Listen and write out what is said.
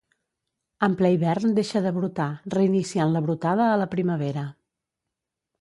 En ple hivern deixa de brotar, reiniciant la brotada a la primavera.